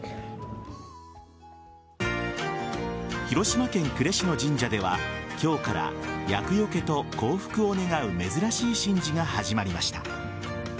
広島県呉市の神社では今日から厄除けと幸福を願う珍しい神事が始まりました。